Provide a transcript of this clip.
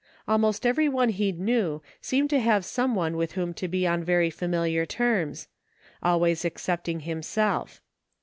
Almost every one he knew seemed to have some one with whom to be on very familiar terms ; always excepting him self.